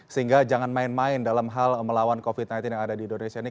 sehingga jangan main main dalam hal melawan covid sembilan belas yang ada di indonesia ini